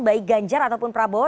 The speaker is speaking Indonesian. baik ganjar ataupun prabowo